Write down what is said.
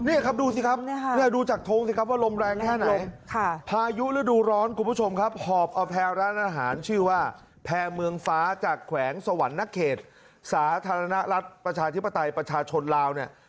นี่ครับดูสิครับดูจากทงสิครับว่าลมแรงแค่ไหนพายุฤดูร้อนคุณผู้ชมครับหอบเอาแพรร้านอาหารชื่อว่าแพร่เมืองฟ้าจากแขวงสวรรค์นักเขตสาธารณรัฐประชาธิปไตยประชาชนลาวเนี่ย